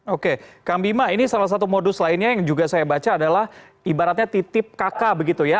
oke kang bima ini salah satu modus lainnya yang juga saya baca adalah ibaratnya titip kakak begitu ya